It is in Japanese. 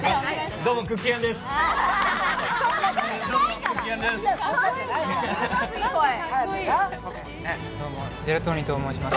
どうもクッキー・アンです。